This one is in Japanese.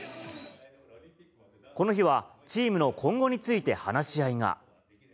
この日は、チームの今後について話し合いが。